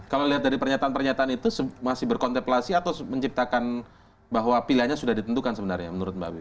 kalau lihat dari pernyataan pernyataan itu masih berkontemplasi atau menciptakan bahwa pilihannya sudah ditentukan sebenarnya menurut mbak wiwi